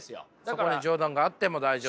そこに冗談があっても大丈夫。